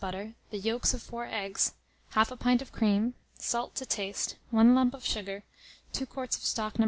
butter, the yolks of 4 eggs, 1/2 pint of cream, salt to taste, 1 lump of sugar, 2 quarts of stock No.